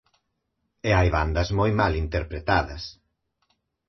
E hai bandas moi mal interpretadas.